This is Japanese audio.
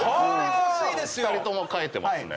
２人とも書いてますね。